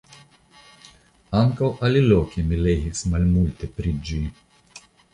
Ankaŭ aliloke mi legis malmulte pri ĝi.